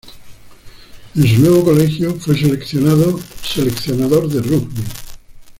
En su nuevo colegio, fue seleccionado de rugby.